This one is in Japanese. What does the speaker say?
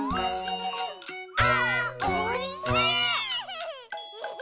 「あーおいしい！」